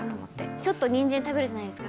ちょっとにんじん食べるじゃないですか。